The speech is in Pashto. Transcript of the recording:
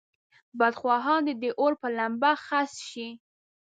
بدخواهان دې د اور په لمبه خس شي.